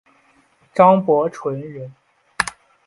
张伯淳人。